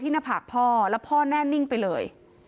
หน้าผากพ่อแล้วพ่อแน่นิ่งไปเลย